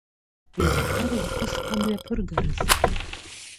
Ираҳар рхы шԥамҩаԥыргарыз?